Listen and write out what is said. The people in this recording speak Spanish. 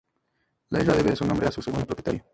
La isla debe su nombre a su segundo propietario.